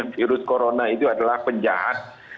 virus corona itu adalah penjahat